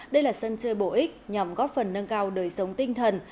đây là sân chơi bổ ích nhằm góp phần nâng cao đời sống tinh thần